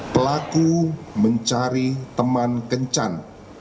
pelaku mencari teman kencan